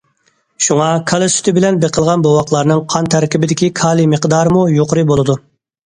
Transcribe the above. شۇڭا، كالا سۈتى بىلەن بېقىلغان بوۋاقلارنىڭ قان تەركىبىدىكى كالىي مىقدارىمۇ يۇقىرى بولىدۇ.